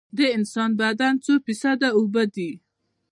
د انسان بدن څو فیصده اوبه دي؟